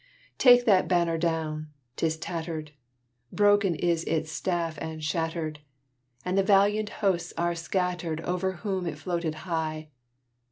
Take that Banner down! 'tis tattered; Broken is its staff and shattered, And the valiant hosts are scattered Over whom it floated high.